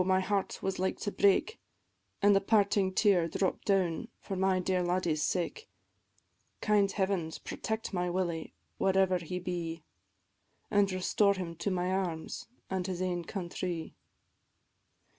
my heart was like to break, An' the parting tear dropp'd down for my dear laddie's sake; Kind Heavens protect my Willie, wherever he be, An' restore him to my arms, an' his ain countrie.